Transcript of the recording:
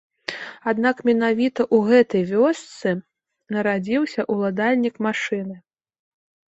Аднак менавіта ў гэтай вёсцы нарадзіўся ўладальнік машыны.